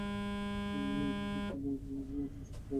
তাকে এখনি শেষ করতে বলছি।